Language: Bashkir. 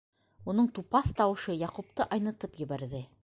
Уның тупаҫ тауышы Яҡупты айнытып ебәрҙе.